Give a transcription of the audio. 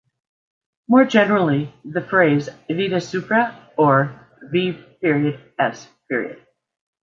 More generally, the phrase "vide supra" or "v.s.